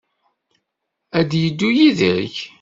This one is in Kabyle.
Ad d-yeddu yid-k?